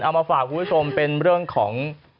มาฝากคุณผู้ชมเป็นเรื่องของ